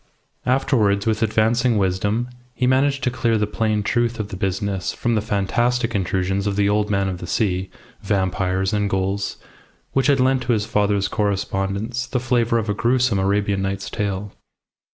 Afterwards, with advancing wisdom, he managed to clear the plain truth of the business from the fantastic intrusions of the Old Man of the Sea, vampires, and ghouls, which had lent to his father's correspondence the flavour of a gruesome Arabian Nights tale.